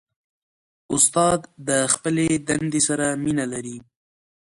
استاد د خپلې دندې سره مینه لري.